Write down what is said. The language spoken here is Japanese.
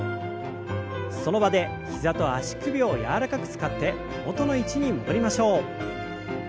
その場で膝と足首を柔らかく使って元の位置に戻りましょう。